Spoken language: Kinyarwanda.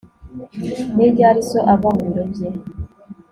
Ni ryari so ava mu biro bye